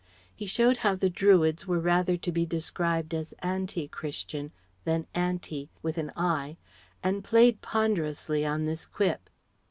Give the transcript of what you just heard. He showed how the Druids were rather to be described as Ante Christian than Anti with an i; and played ponderously on this quip.